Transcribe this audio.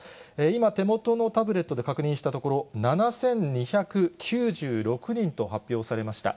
今、手元のタブレットで確認したところ、７２９６人と発表されました。